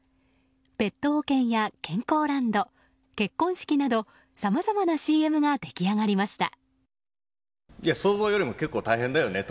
ペット保険や健康ランド結婚式などさまざまなＣＭが出来上がりました。